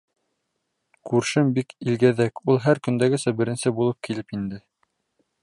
Күршем бик илгәҙәк, ул һәр көндәгесә беренсе булып килеп инде.